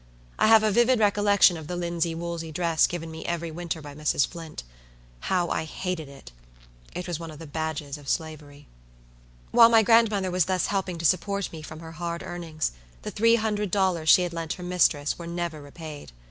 I have a vivid recollection of the linsey woolsey dress given me every winter by Mrs. Flint. How I hated it! It was one of the badges of slavery. While my grandmother was thus helping to support me from her hard earnings, the three hundred dollars she had lent her mistress were never repaid.